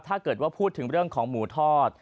ถ้าเกิดว่าพูดถึงเรื่องของหมูทอด